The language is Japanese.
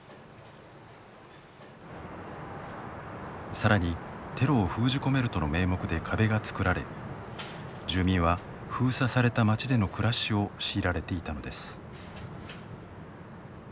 さらにテロを封じ込めるとの名目で壁が造られ住民は封鎖された町での暮らしを強いられていたのです。